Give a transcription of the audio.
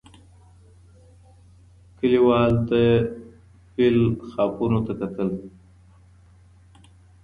کلیوالو د فیل خاپونو ته کتل.